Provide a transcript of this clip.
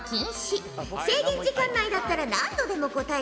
制限時間内だったら何度でも答えてよいぞ。